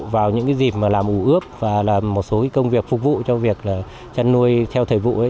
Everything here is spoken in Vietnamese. vào những cái dịp mà làm ủ ướp và làm một số cái công việc phục vụ cho việc là chăn nuôi theo thời vụ ấy